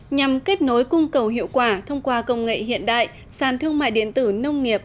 nhằm kết nối cung cầu hiệu quả thông qua công nghệ hiện đại sàn thương mại điện tử nông nghiệp